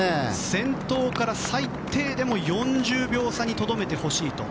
先頭から最低でも４０秒差にとどめてほしいと。